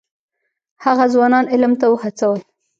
هغه ځوانان علم ته وهڅول.